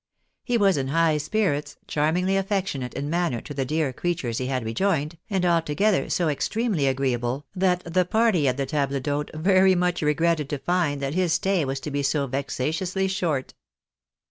He was in high spirits, charmingly affectionate in manner to the dear creatures he had rejoined, and altogether so extremely agreeable, that the party at the taUe d'hote very much regretted to find that his stay was to be so vexatiously short.